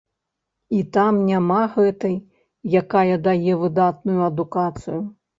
І там няма гэтай, якая дае выдатную адукацыю.